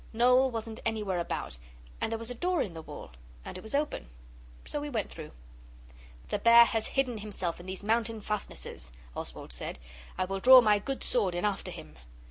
Noel wasn't anywhere about, and there was a door in the wall. And it was open; so we went through. 'The bear has hidden himself in these mountain fastnesses,' Oswald said. 'I will draw my good sword and after him.